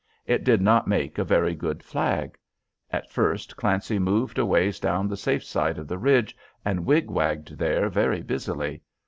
It did not make a very good flag. At first Clancy moved a ways down the safe side of the ridge and wigwagged there very busily.